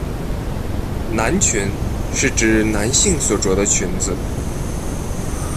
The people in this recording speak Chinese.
男裙是指男性所着的裙子。